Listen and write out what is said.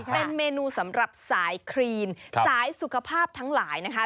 เป็นเมนูสำหรับสายครีนสายสุขภาพทั้งหลายนะคะ